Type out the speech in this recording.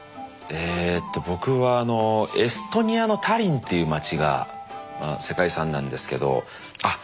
えと僕はあのエストニアのタリンっていう街が世界遺産なんですけどあっ！